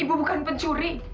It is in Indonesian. ibu bukan pencuri